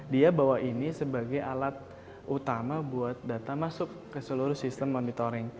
dia bawa ini sebagai alat utama buat data masuk ke seluruh sistem monitoring